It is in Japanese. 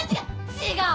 違う！